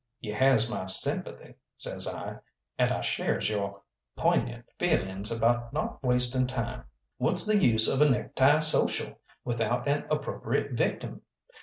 "You has my sympathy," says I, "and I shares yo' poignant feelings about not wasting time. What's the use of a necktie social without an appropriate victim?